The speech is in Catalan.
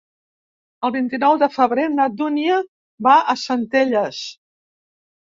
El vint-i-nou de febrer na Dúnia va a Centelles.